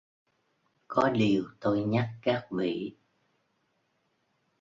Có điều tôi nhắc các vị